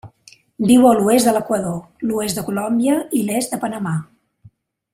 Viu a l'oest de l'Equador, l'oest de Colòmbia i l'est de Panamà.